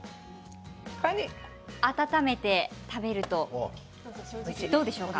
温めて食べるとどうでしょうか？